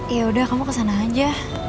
yaudah kamu kesana aja